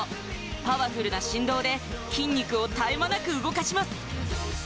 パワフルな振動で筋肉を絶え間なく動かします